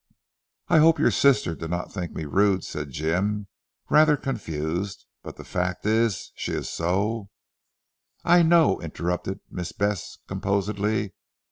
"I hope your sister did not think me rude," said Jim rather confused, "but the fact is, she is so " "I know," interrupted Miss Bess composedly.